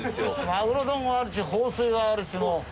マグロ丼はあるし放水はあるしもう。